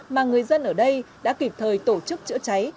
mà người dân ở đây đã kịp thời tổ chức chữa cháy